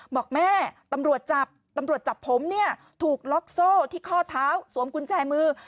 บอกแม่ตำรวจจับตำรวจจับผมเนี่ยถูกล็อกโซ่ที่ข้อเท้าสวมกุญแจมือ